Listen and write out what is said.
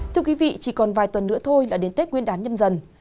thưa quý vị chỉ còn vài tuần nữa thôi là đến tết nguyên đán nhâm dần